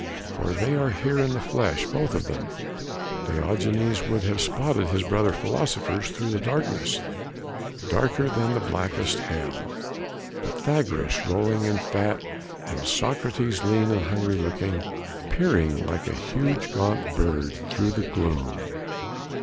For they are here in the flesh, both of them, Diogenes would have spotted his brother philosophers through darkness darker than the blackest hell. Pythagoras rolling in fat and Socrates lean and hungry looking, peering like a huge gaunt bird through the gloom.